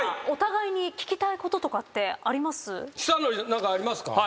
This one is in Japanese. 何かありますか？